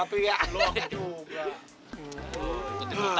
neng aku juga satu ya